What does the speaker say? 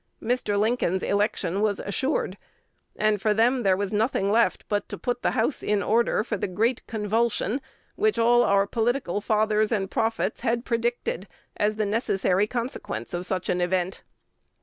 Mr. Lincoln's election was assured; and for them there was nothing left but to put the house in order for the great convulsion which all our political fathers and prophets had predicted as the necessary consequence of such an event.